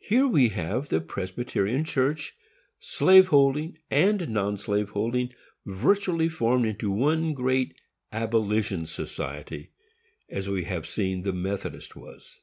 Here we have the Presbyterian Church, slave holding and non slaveholding, virtually formed into one great abolition society, as we have seen the Methodist was.